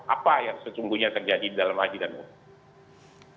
apa yang sesungguhnya terjadi di dalam haji dan umroh